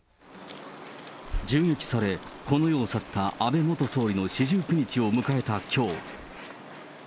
銃撃され、この世を去った安倍元総理の四十九日を迎えたきょう。